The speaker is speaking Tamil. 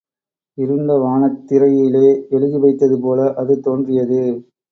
இருண்டவானத் திரையிலே எழுதி வைத்தது போல அது தோன்றியது.